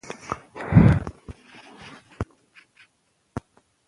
کارمل د لیک په پای کې لیدنې غوښتنه وکړه.